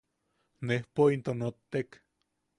Nejpo into nottek.